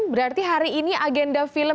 berarti hari ini agenda film